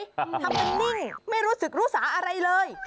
ทำกันนิ่งไม่รู้สึกรู้สาอะไรเลย